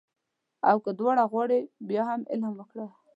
او که دواړه غواړې بیا هم علم وکړه